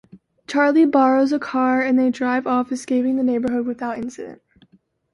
Charlie borrows a car and they drive off, escaping the neighborhood without incident.